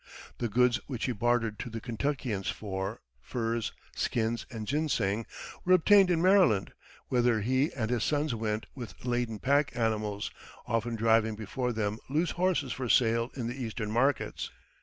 The goods which he bartered to the Kentuckians for furs, skins, and ginseng were obtained in Maryland, whither he and his sons went with laden pack animals, often driving before them loose horses for sale in the Eastern markets.